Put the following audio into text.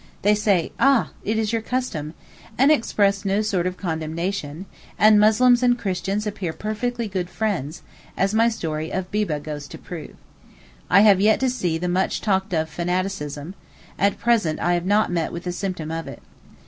They say 'Ah! it is your custom,' and express no sort of condemnation, and Muslims and Christians appear perfectly good friends, as my story of Bibbeh goes to prove. I have yet to see the much talked of fanaticism, at present I have not met with a symptom of it.